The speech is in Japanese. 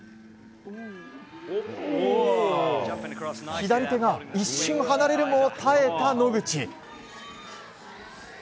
左手が一瞬離れるも耐えた野口。